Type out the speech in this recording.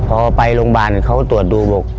พอไปโรงพยาบาลเขาตรวจดูบอก